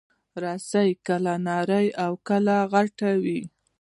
رسۍ کله نرۍ او کله غټه وي.